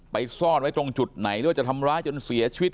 ซ่อนไว้ตรงจุดไหนหรือว่าจะทำร้ายจนเสียชีวิต